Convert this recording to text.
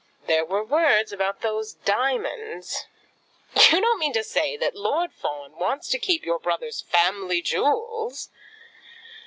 There were words about those diamonds." "You don't mean to say that Lord Fawn wants to keep your brother's family jewels?"